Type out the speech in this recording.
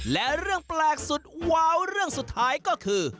และเรื่องแปลกสุดว้าวเรื่องสุดท้ายก็คือ